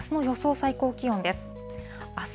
最高気温です。